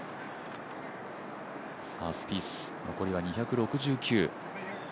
スピース、残りは２６９。